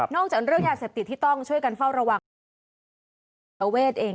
นอกจากเรื่องยาเสพติดที่ต้องช่วยกันเฝ้าระวัง